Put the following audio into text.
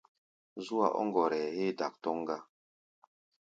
Zú-a ɔ́ ŋgɔrɛɛ héé dak tɔ́ŋ gá.